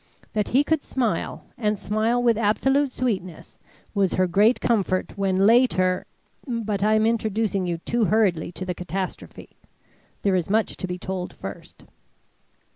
That he could smile, and smile with absolute sweetness, was her great comfort when later But I am introducing you too hurriedly to the catastrophe. There is much to be told first.